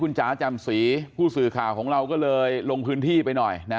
จ๋าจำศรีผู้สื่อข่าวของเราก็เลยลงพื้นที่ไปหน่อยนะ